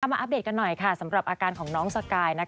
มาอัปเดตกันหน่อยค่ะสำหรับอาการของน้องสกาย